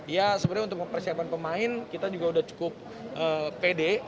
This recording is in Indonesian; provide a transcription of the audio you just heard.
ya sebenarnya untuk mempersiapkan pemain kita juga sudah cukup pede